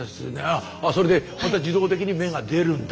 あそれでまた自動的に目が出るんだ。